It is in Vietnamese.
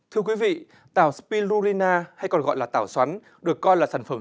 thưa quý vị tảo spirulina hay còn gọi là tảo xoắn được coi là sản phẩm